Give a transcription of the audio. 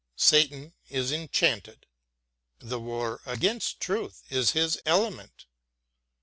Satan is enchanted; the war against truth is his element.